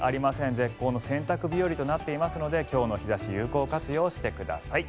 絶好の洗濯日和となっていますので今日の日差しを有効活用してください。